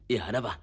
ya ada pak